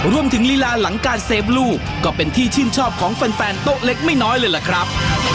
ลีลาหลังการเซฟลูกก็เป็นที่ชื่นชอบของแฟนโต๊ะเล็กไม่น้อยเลยล่ะครับ